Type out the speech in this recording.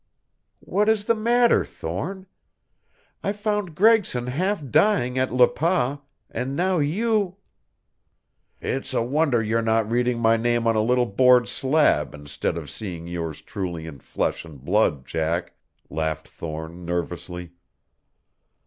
"What is the matter, Thorne? I found Gregson half dying at Le Pas, and now you " "It's a wonder you're not reading my name on a little board slab instead of seeing yours truly in flesh and blood, Jack," laughed Thorne nervously.